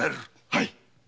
はい！